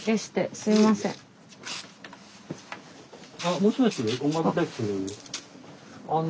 あもしもし？